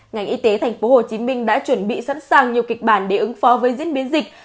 ngành y tế thành phố hồ chí minh đã chuẩn bị sẵn sàng nhiều kịch bản để ứng phó với diễn biến dịch